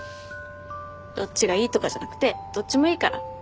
どっちがいいとかじゃなくてどっちもいいから。